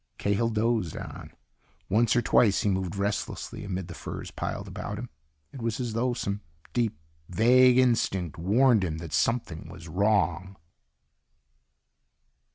Cahill dozed on. Once or twice he moved restlessly amid the furs piled about him. It was as though some deep, vague instinct warned him that something was wrong.